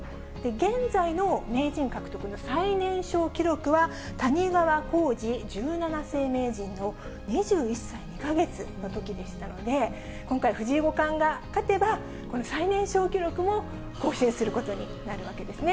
現在の名人獲得の最年少記録は、谷川浩司十七世名人の２１歳２か月のときでしたので、今回、藤井五冠が勝てば、最年少記録も更新することになるわけですね。